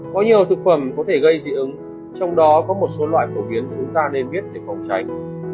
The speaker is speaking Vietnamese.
có nhiều thực phẩm có thể gây dị ứng trong đó có một số loại phổ biến chúng ta nên viết để phòng tránh